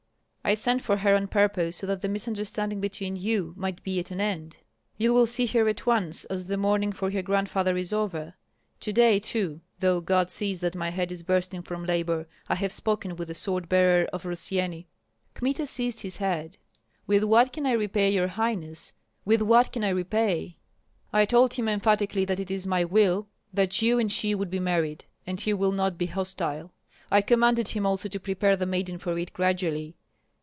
"I sent for her on purpose so that the misunderstanding between you might be at an end. You will see her at once, as the mourning for her grandfather is over. To day, too, though God sees that my head is bursting from labor, I have spoken with the sword bearer of Rossyeni." Kmita seized his head. "With what can I repay your highness, with what can I repay?" "I told him emphatically that it is my will that you and she should be married, and he will not be hostile. I commanded him also to prepare the maiden for it gradually.